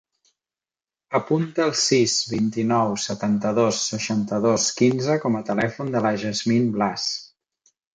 Apunta el sis, vint-i-nou, setanta-dos, seixanta-dos, quinze com a telèfon de la Yasmine Blas.